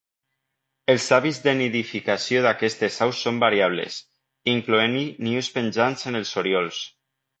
Els hàbits de nidificació d'aquestes aus són variables, incloent-hi nius penjants en els oriols.